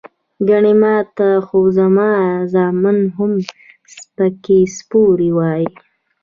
ګني ماته خو زما زامن هم سپکې سپورې وائي" ـ